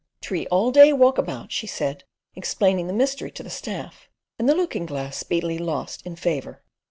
"Tree all day walk about," she said, explaining the mystery to the staff; and the looking glass speedily lost in favour.